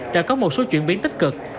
đã có một số chuyển biến tích cực